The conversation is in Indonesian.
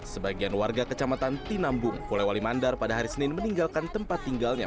sebagian warga kecamatan tinambung kulewali mandar pada hari senin meninggalkan tempat tinggalnya